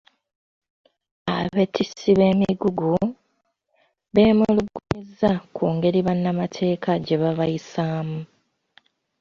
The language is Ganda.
Abeetissi b’emigugu, beemulugunyiza kungeri bannamatekka gyebabayisaamu.